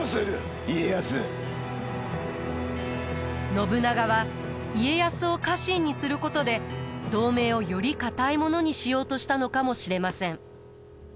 信長は家康を家臣にすることで同盟をより固いものにしようとしたのかもしれません。